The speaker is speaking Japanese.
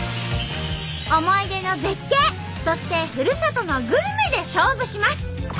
思い出の絶景そしてふるさとのグルメで勝負します！